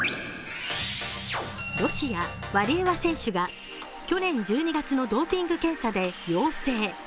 ロシア・ワリエワ選手が去年１２月のドーピング検査で陽性。